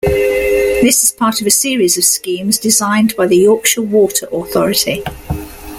This is part of a series of schemes designed by the Yorkshire Water Authority.